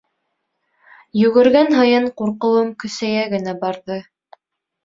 Йүгергән һайын ҡурҡыуым көсәйә генә барҙы.